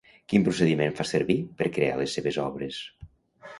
Quin procediment fa servir per crear les seves obres?